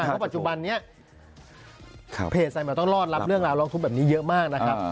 เพราะปัจจุบันนี้เพจสายใหม่ต้องรอดรับเรื่องราวร้องทุกข์แบบนี้เยอะมากนะครับ